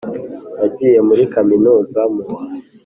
Nagiye muri kaminuza mu wa